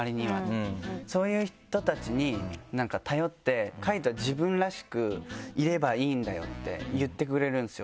「そういう人たちになんか頼って海人は自分らしくいればいいんだよ」って言ってくれるんですよ